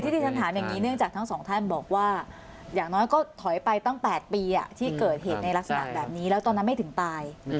ปัญหาต้องเป็นอย่างนี้เพราะทั้ง๒ท่านบอกว่าอย่างน้อยก็ถอยไปตั้ง๘ปีที่เกิดเหตุในลักษณะแบบนี้และตอนนั้นไม่ถึงตาย